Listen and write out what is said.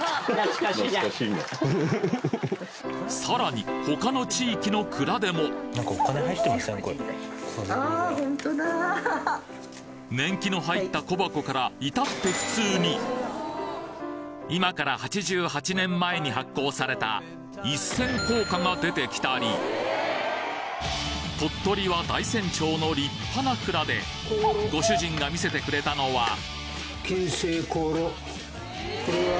さらに他の地域の蔵でも年季の入った小箱からいたって普通に今から８８年前に発行された一銭硬貨が出てきたり鳥取は大山町の立派な蔵でご主人が見せてくれたのは？